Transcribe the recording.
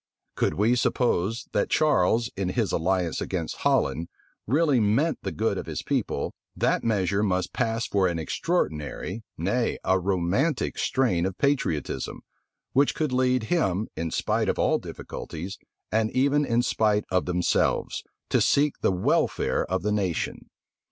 Could we suppose that Charles, in his alliance against Holland, really meant the good of his people, that measure must pass for an extraordinary, nay, a romantic strain of patriotism, which could lead him, in spite of all difficulties, and even in spite of themselves, to seek the welfare of the nation.